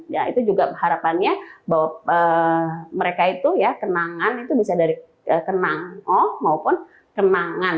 jadi juga harapannya bahwa mereka itu ya kenangan itu bisa dari kenango maupun kenangan